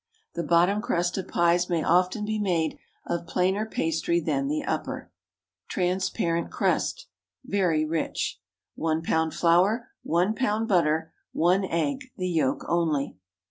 The bottom crust of pies may often be made of plainer pastry than the upper. TRANSPARENT CRUST. (Very rich.) 1 lb. flour. 1 lb. butter. 1 egg—the yolk only.